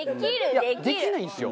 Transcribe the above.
いやできないんですよ。